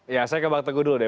ya saya ke bang teguh dulu deh